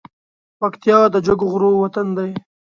پکتيا د جګو غرو وطن دی